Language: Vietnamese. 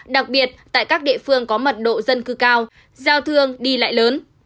đặc biệt tại các địa phương có mật độ dân cư cao giao thương đi lại lớn